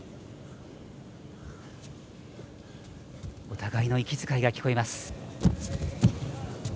お互いの息遣いが聞こえます。